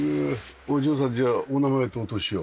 お嬢さんじゃあお名前とお年を。